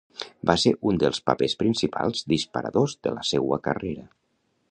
Va ser un dels papers principals disparadors de la seua carrera.